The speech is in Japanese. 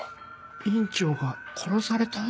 院長が殺された？